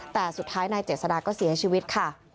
แต่สุดท้ายนายเจษฎาก็เสียชีวิตค่ะ